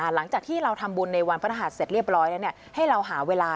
หลังจากที่เราทำบุญในวันพระทหารเสร็จเรียบร้อยแล้ว